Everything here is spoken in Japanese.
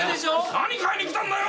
何買いに来たんだよ？